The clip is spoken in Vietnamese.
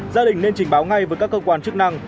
gia đình nên trình báo ngay với các cơ quan chức năng